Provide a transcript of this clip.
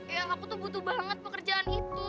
ya aku tuh butuh banget pekerjaan itu